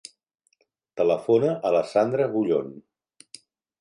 Telefona a la Sandra Bullon.